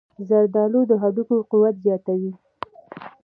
زردآلو د هډوکو قوت زیاتوي.